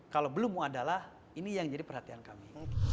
kalau belum muadalah ini yang jadi perhatian kami